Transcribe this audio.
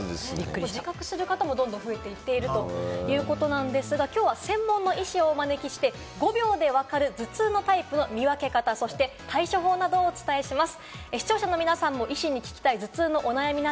自覚している方もどんどん増えているということですが、きょうは専門の医師をお招きして、５秒で分かる頭痛のタイプの見分け方、そして対処法などをお伝えしていきます。